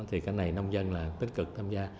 thì cái này nông dân tích cực tham gia